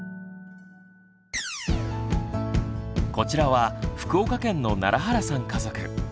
こちらは福岡県の楢原さん家族。